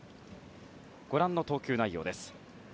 ご覧の投球内容です。